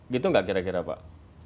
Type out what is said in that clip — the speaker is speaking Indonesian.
gitu nggak kira kira pak